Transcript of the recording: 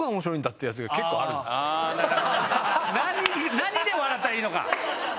何で笑ったらいいのか。